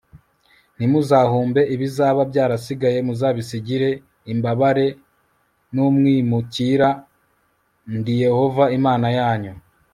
ntimuzahumbe ibizaba byarasigaye l Muzabisigire imbabare m n umwimukira n Ndi Yehova Imana yanyu